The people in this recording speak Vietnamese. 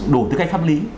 đủ tư cách pháp lý